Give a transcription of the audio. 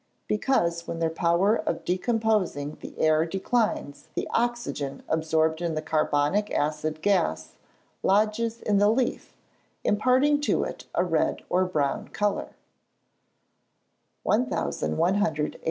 _ Because, when their power of decomposing the air declines, the oxygen absorbed in the carbonic acid gas, lodges in the leaf, imparting to it a red or brown colour. 1184.